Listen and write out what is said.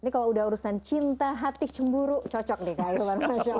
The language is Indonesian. ini kalau udah urusan cinta hati cemburu cocok deh kak hilman